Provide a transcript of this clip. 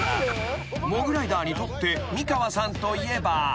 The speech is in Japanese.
［モグライダーにとって美川さんといえば］